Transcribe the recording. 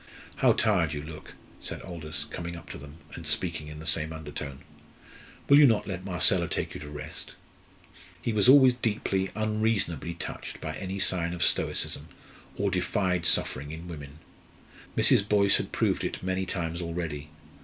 "How tired you look!" said Aldous, coming up to them, and speaking in the same undertone. "Will you not let Marcella take you to rest?" He was always deeply, unreasonably touched by any sign of stoicism, of defied suffering in women. Mrs. Boyce had proved it many times already.